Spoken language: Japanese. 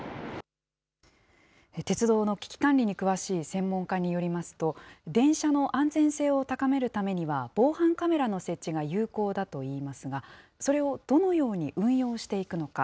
鉄道の危機管理に詳しい専門家によりますと、電車の安全性を高めるためには、防犯カメラの設置が有効だといいますが、それをどのように運用していくのか。